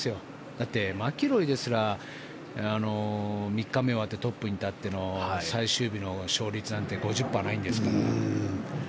だって、マキロイですら３日目終わってトップに立っての最終日の勝率なんて５０％ないんですから。